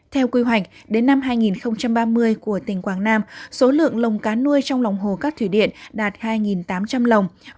theo quy hoạch đến năm hai nghìn ba mươi của tỉnh quảng nam số lượng lồng cá nuôi trong lòng hồ các thủy điện đạt hai tám trăm linh lồng